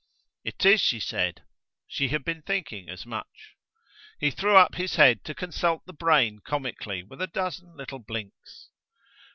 "It is," she said. She had been thinking as much. He threw up his head to consult the brain comically with a dozen little blinks.